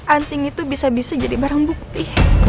anting itu bisa bisa jadi barang bukti